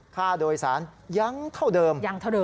ค่าโดยสารยังเท่าเดิม